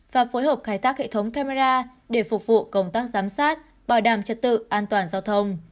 và phối hợp khai thác hệ thống camera để phục vụ công tác giám sát bảo đảm trật tự an toàn giao thông